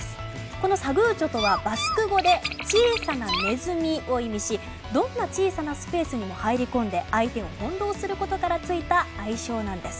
このサグーチョとはバスク語で小さなネズミを意味しどんな小さなスペースにも入り込んで相手を翻ろうすることからついた愛称なんです。